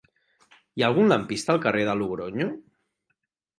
Hi ha algun lampista al carrer de Logronyo?